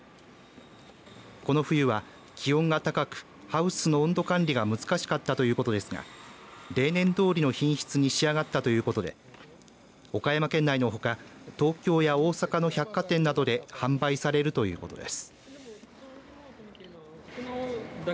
この冬は気温が高くハウスの温度管理が難しかったということですが例年どおりの品質に仕上がったということで岡山県内のほか東京や大阪の百貨店などで販売されるということです。